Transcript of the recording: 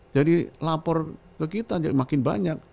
jadi lapor ke kita makin banyak